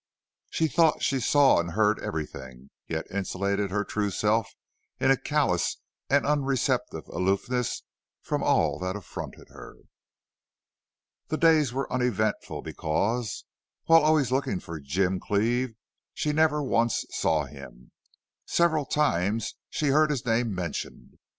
She thought she saw and heard everything, yet insulated her true self in a callous and unreceptive aloofness from all that affronted her. The days were uneventful because, while always looking for Jim Cleve, she never once saw him. Several times she heard his name mentioned.